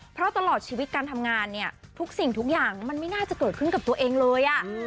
เพราะตลอดชีวิตการทำงานเนี่ยทุกสิ่งทุกอย่างมันไม่น่าจะเกิดขึ้นกับตัวเองเลย